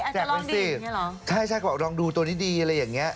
แจกไปใช่ใช่รองดูตัวนี้ดีอย่างงี้